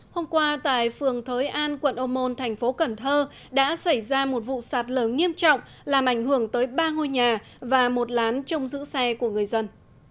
hôm qua tại phường thới an quận ô môn thành phố cần thơ đã xảy ra một vụ sạt lở nghiêm trọng làm ảnh hưởng tới ba ngôi nhà và một lán trong giữ xe của người dân